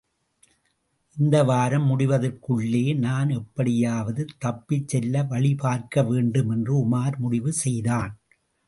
இந்த வாரம் முடிவதற்குள்ளே நான் எப்படியாவது தப்பிச்செல்ல வழிபார்க்க வேண்டும் என்று உமார் முடிவு செய்தான்.